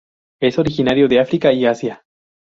Es originario de África y Asia.